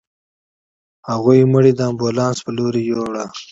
هغوی مړی د امبولانس په لورې يووړ.